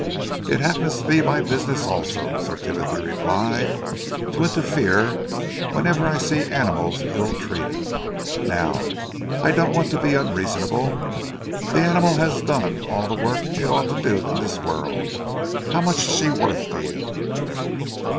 "It happens to be my business also," Sir Timothy replied, "to interfere whenever I see animals ill treated. Now I don't want to be unreasonable. That animal has done all the work it ought to do in this world. How much is she worth to you?"